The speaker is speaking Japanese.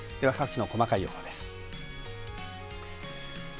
各地の細かい予報です。